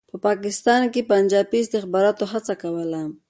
په پاکستان کې پنجابي استخباراتو هڅه کوله.